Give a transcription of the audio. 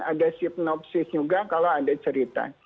ada sipnopsis juga kalau ada cerita